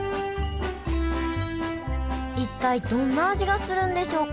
一体どんな味がするんでしょうか？